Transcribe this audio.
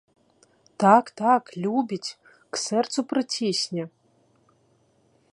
Так, так, любіць, к сэрцу прыцісне!